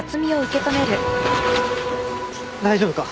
大丈夫か？